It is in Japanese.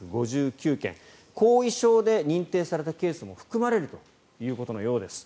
後遺症で認定されたケースも含まれるということのようです。